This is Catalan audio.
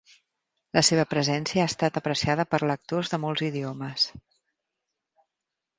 La seva presència ha estat apreciada per lectors de molts idiomes.